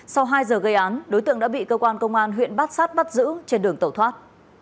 sau hai giờ gây án đối tượng đã bị cơ quan công an huyện bát sát bắt giữ trên đường tẩu thoát